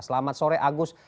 selamat sore agus